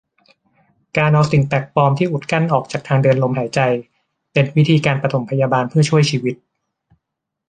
การเอาสิ่งแปลกปลอมที่อุดกั้นออกจากทางเดินลมหายใจเป็นวิธีการปฐมพยาบาลเพื่อช่วยชีวิต